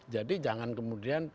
jadi jangan kemudian